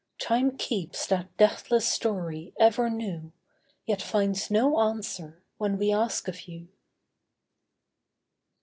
Time keeps that deathless story ever new; Yet finds no answer, when we ask of you.